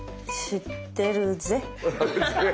知ってるぜ。